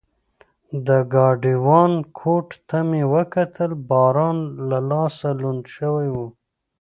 د ګاډیوان کوټ ته مې وکتل، باران له لاسه لوند شوی و.